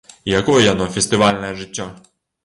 І якое яно, фестывальнае жыццё?